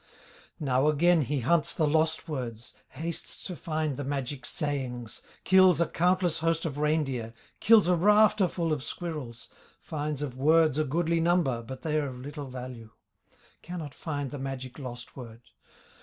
Now again he hunts the lost words, Hastes to find the magic sayings, Kills a countless host of reindeer, Kills a rafterful of squirrels, Finds of words a goodly number, But they are of little value, Cannot find the magic lost word.